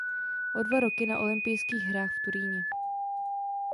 O dva roky na olympijských hrách v Turíně.